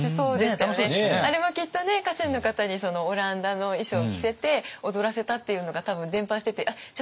あれもきっとね家臣の方にオランダの衣装着せて踊らせたっていうのが多分伝ぱしててじゃあ